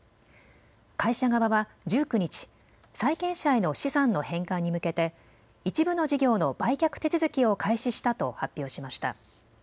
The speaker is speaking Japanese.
会社側は１９日、債権者への資産の返還に向けて一部の事業の売却手続きを開始したと発表しました。